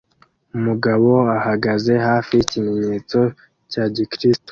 Umugabo ahagaze hafi yikimenyetso cya gikristo